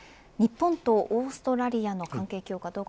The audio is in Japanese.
日本とオーストラリアの関係強化